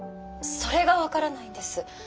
それが分からないんです。